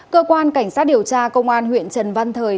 cơ quan cảnh sát điều tra công an huyện trần văn thời